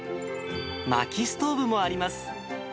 まきストーブもあります。